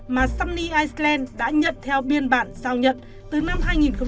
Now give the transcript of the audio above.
mà sunny iceland đã nhận theo biên bản giao nhận từ năm hai nghìn một mươi bảy